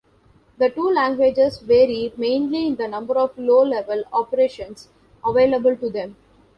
The two languages vary mainly in the number of low-level operations available to them.